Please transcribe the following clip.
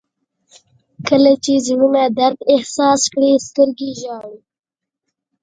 • کله چې زړونه درد احساس کړي، سترګې ژاړي.